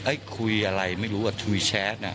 เอ๊ะคุยอะไรไม่รู้อ่ะคุยแชทอ่ะ